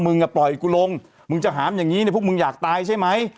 ปล่อยกูลงมึงจะหามอย่างนี้พวกมึงอยากตายใช่ไหม